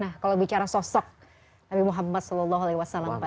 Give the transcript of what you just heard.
nah kalau bicara sosok nabi muhammad saw